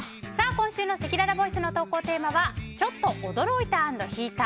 今週のせきららボイスの投稿テーマはちょっと驚いた＆引いた！